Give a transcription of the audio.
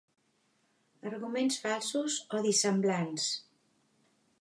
Arguments falsos o dissemblants.